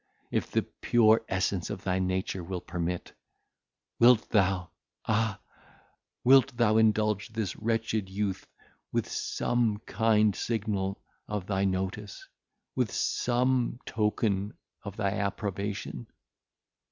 If the pure essence of thy nature will permit, wilt thou, ah! wilt thou indulge this wretched youth with some kind signal of thy notice, with some token of thy approbation?